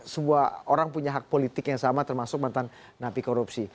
semua orang punya hak politik yang sama termasuk mantan napi korupsi